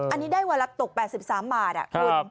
อันนี้ได้วันละตก๘๓บาทคุณ